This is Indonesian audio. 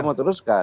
saya mau teruskan